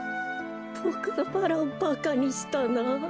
ボクのバラをばかにしたな。